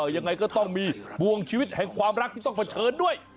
ยังไงก็ต้องมีบวงชีวิตแห่งความรักที่ต้องเผชิญด้วย